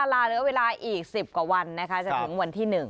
ลาเหลือเวลาอีก๑๐กว่าวันนะคะจะถึงวันที่๑